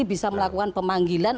bisa melakukan pemanggilan